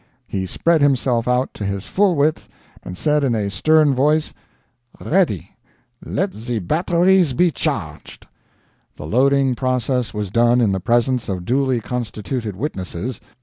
He spread himself out to his full width, and said in a stern voice, "Ready! Let the batteries be charged." The loading process was done in the presence of duly constituted witnesses.